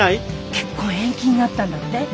結婚延期になったんだって？